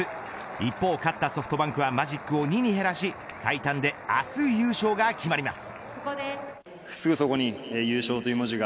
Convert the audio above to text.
一方、勝ったソフトバンクはマジックを２に減らし最短で明日、優勝が決まります。